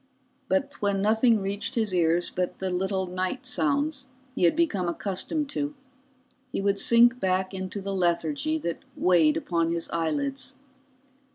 But when nothing reached his ears but the little night sounds he had become accustomed to, he would sink back into the lethargy that weighed upon his eyelids.